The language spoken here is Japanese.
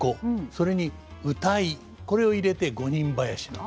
それに謡これを入れて五人囃子なんです。